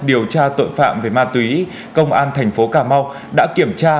điều tra tội phạm về ma túy công an thành phố cà mau đã kiểm tra